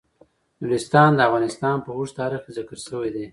نورستان د افغانستان په اوږده تاریخ کې ذکر شوی دی.